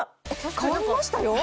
変わりましたよ！